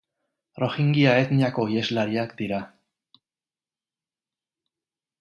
Rohingya etniako iheslariak dira.